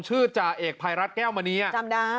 ชื่อจาเอกภายรัฐแก้วมาเนี้ยจำได้